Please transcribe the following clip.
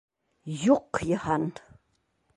Юҡ, Йыһан!